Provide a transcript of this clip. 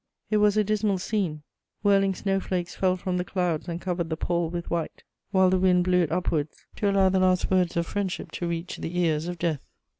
It was a dismal scene: whirling snow flakes fell from the clouds and covered the pall with white, while the wind blew it upwards, to allow the last words of friendship to reach the ears of death.